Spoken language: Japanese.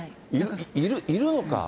いるのか？